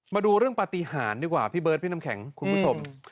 มาดูเรื่องปฏิหารดีกว่าพี่เบิร์ดพี่น้ำแข็งคุณผู้ชม